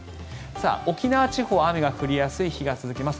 沖縄地方は雨が降りやすい日が続きます。